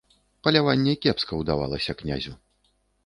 Паляванне кепска ўдавалася князю.